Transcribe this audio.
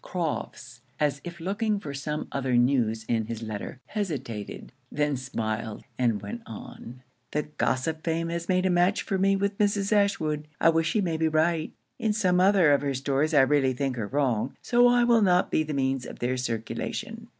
Crofts, as if looking for some other news in his letter, hesitated, then smiled, and went on. 'The gossip Fame has made a match for me with Mrs. Ashwood. I wish she may be right. In some other of her stories I really think her wrong, so I will not be the means of their circulation.'